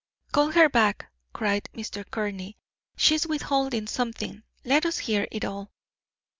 "Call her back!" cried Mr. Courtney. "She is withholding something. Let us hear it all."